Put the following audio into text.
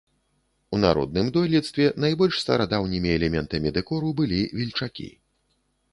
У народным дойлідстве найбольш старадаўнімі элементамі дэкору былі вільчакі.